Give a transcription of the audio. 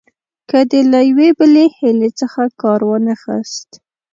که دې له یوې بلې حیلې څخه کار وانه خیست.